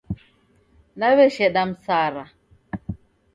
Naw'esheda msara